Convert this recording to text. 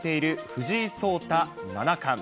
藤井聡太七冠。